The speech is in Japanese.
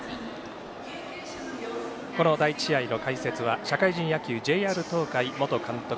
この第１試合の解説は社会人野球、ＪＲ東海元監督